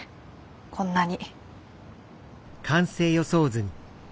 こんなに。